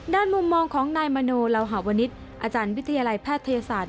มุมมองของนายมโนลาวหาวนิษฐ์อาจารย์วิทยาลัยแพทยศาสตร์